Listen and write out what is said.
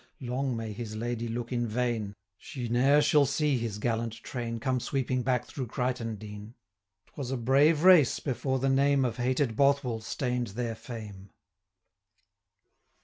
Long may his Lady look in vain! 250 She ne'er shall see his gallant train, Come sweeping back through Crichtoun Dean. 'Twas a brave race, before the name Of hated Bothwell stain'd their fame.